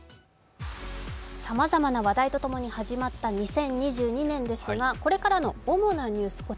さまざまな話題と共に始まった２０２２年ですがこれからの主なニュース